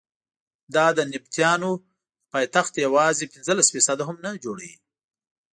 دا د نبطیانو د پایتخت یوازې پنځلس فیصده هم نه جوړوي.